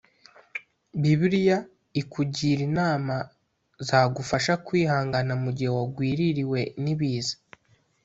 Bibiliya ikugira inama zagufasha kwihangana mu gihe wagwiririwe n’ibiza